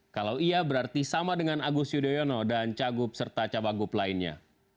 kalau iya berarti sama dengan agus yudhoyono dan cagup serta cabagup lainnya